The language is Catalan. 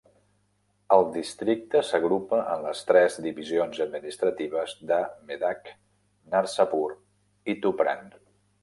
El districte s'agrupa en les tres divisions administratives de Medak, Narsapur i Tupran.